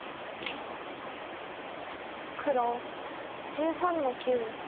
黒１３の九。